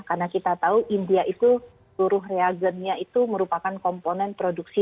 karena kita tahu india itu turun reagannya itu merupakan komponen produksi